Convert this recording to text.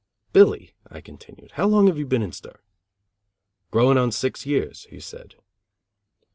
"Billy," I continued, "how long have you been in stir?" "Growing on six years," he said.